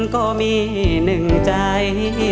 ก็มีหนึ่งใจ